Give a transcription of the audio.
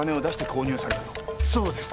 そうです。